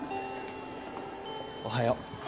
おはよう。